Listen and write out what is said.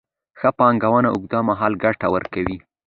ښه پانګونه اوږدمهاله ګټه ورکوي.